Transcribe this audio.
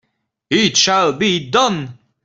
It shall be done!